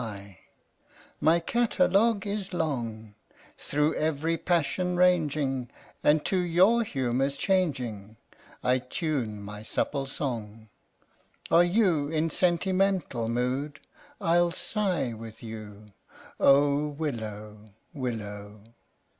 20 THE STORY OF THE MIKADO My catalogue is long, Through every passion ranging, And to your humours changing I tune my supple song ! Are you in sentimental mood ? I'll sigh with you. Oh, willow! willow!